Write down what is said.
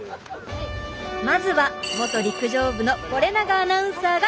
まずは元陸上部の是永アナウンサーが挑戦！